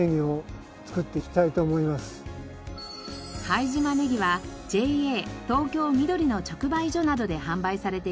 拝島ネギはＪＡ東京みどりの直売所などで販売されています。